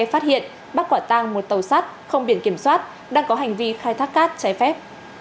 phát hiện bắt quả tang một tàu sắt không biển kiểm soát đang có hành vi khai thác cát trái phép